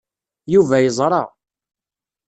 Yuba yeẓṛa.